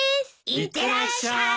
いってらっしゃい。